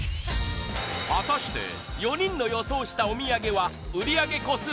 果たして４人の予想したおみやげは売り上げ個数